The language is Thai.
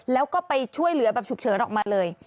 แล้วก็ไปช่วยเหลือแบบฉุกเฉินออกมาเลย